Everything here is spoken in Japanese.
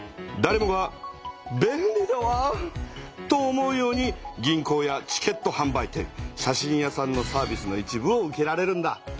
だれもが「便利だわ」と思うように銀行やチケットはん売店写真屋さんのサービスの一部を受けられるんだ。